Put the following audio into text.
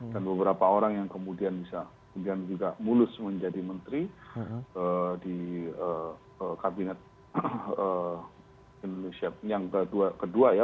dan beberapa orang yang kemudian juga mulus menjadi menteri di kabinet indonesia yang kedua ya